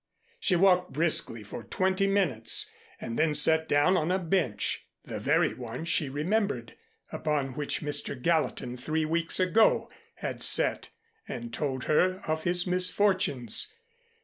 She walked briskly for twenty minutes and then sat down on a bench, the very one she remembered, upon which Mr. Gallatin three weeks ago had sat and told her of his misfortunes.